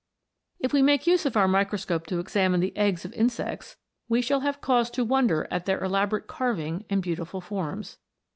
If we make use of our microscope to examine the THE INVISIBLE WOULD. 227 eggs of insects we shall have cause to wonder at their elaborate carving and beautiful forms.